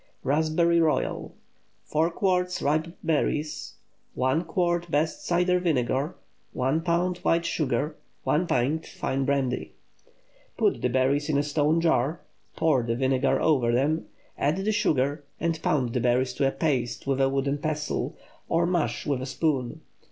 RASPBERRY ROYAL. ✠ 4 quarts ripe berries. 1 quart best cider vinegar. 1 lb. white sugar. 1 pint fine brandy. Put the berries in a stone jar, pour the vinegar over them, add the sugar, and pound the berries to a paste with a wooden pestle, or mash with a spoon.